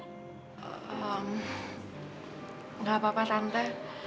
nggak apa apa tante